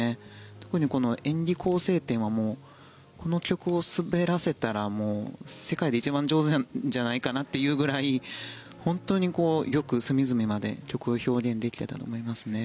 特に演技構成点はこの曲を滑らせたら世界で一番上手なんじゃないかなというくらい本当によく隅々まで曲を表現できていたと思いますね。